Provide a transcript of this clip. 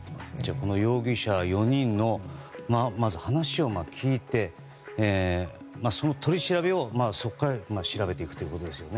この容疑者４人の話をまず聞いてその取り調べを、そこから調べていくということですよね。